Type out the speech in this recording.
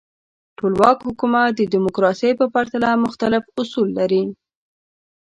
ټولواک حکومت د دموکراسۍ په پرتله مختلف اصول لري.